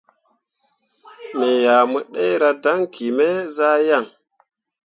Me ah mu ɗerah daŋki me zah yan.